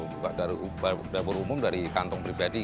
buka dapur umum dari kantong pribadi